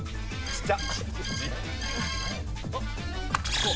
ちっちゃ！